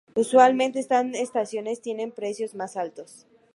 Usualmente estas estaciones tienen precios más altos.